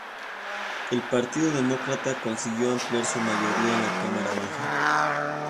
El Partido Demócrata consiguió ampliar su mayoría en la cámara baja.